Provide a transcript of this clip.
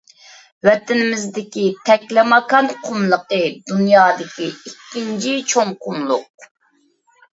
ۋەتىنىمىزدىكى تەكلىماكان قۇملۇقى — دۇنيادىكى ئىككىنچى چوڭ قۇملۇق.